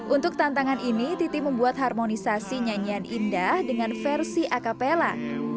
untuk tantangan ini titi membuat harmonisasi nyanyian indah dengan versi acapella